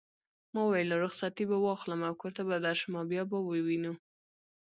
ما وویل: رخصتې به واخلم او کور ته به درشم او بیا به وینو.